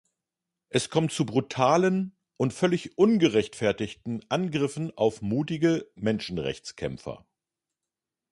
Es kommt zu brutalen und völlig ungerechtfertigten Angriffen auf mutige Menschenrechtskämpfer.